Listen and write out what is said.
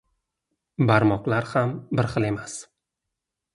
• Barmoqlar ham bir xil emas.